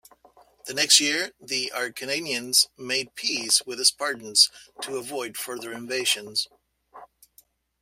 The next year, the Acarnanians made peace with the Spartans to avoid further invasions.